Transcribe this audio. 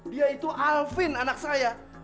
dia itu alvin anak saya